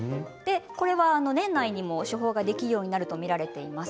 年内にも処方ができるようになると見られています。